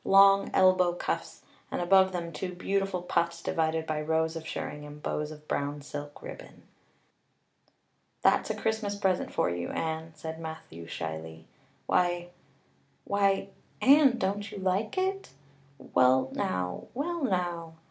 Long elbow cuffs, and above them two beautiful puffs divided by rows of shirring and bows of brown silk ribbon. "That's a Christmas present for you, Anne," said Matthew shyly. "Why why Anne, don't you like it? Well now well now."